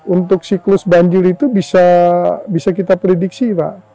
untuk siklus banjir itu bisa kita prediksi pak